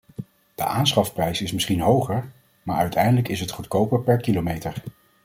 De aanschafprijs is misschien hoger, maar uiteindelijk is het goedkoper per kilometer.